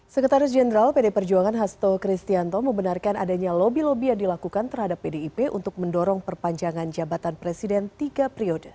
sekretaris jenderal pd perjuangan hasto kristianto membenarkan adanya lobby lobby yang dilakukan terhadap pdip untuk mendorong perpanjangan jabatan presiden tiga periode